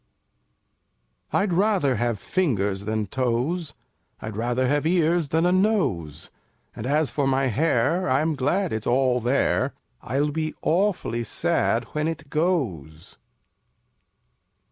4 I'd rather have fingers than Toes; I'd rather have Ears than a Nose And as for my hair, I'm glad it's all there, I'll be awfully sad when it goes!